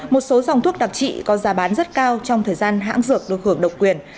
một số dòng thuốc đặc trị có giá bán rất cao trong thời gian hãng dược được hưởng độc quyền